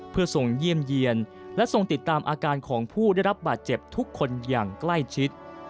เพื่อทรงเยี่ยมเยี่ยนและทรงติดตามอาการของผู้ได้รับบาดเจ็บทุกคนอย่างใกล้ชิด